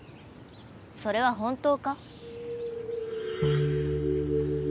それは本当か？